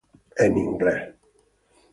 En inglés